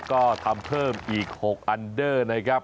ก็ทำเพิ่มอีก๖อันเดอร์นะครับ